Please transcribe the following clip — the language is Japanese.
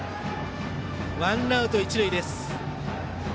ワンアウト、一塁です。